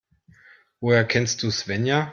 Woher kennst du Svenja?